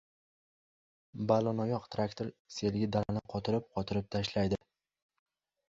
Ballonoyoq traktor selgi dalani qotirib-qotirib tashlaydi.